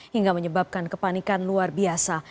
hingga menyebabkan kepanikan luar biasa